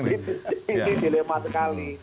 ini dilema sekali